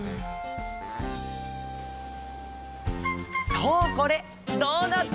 そうこれドーナツ！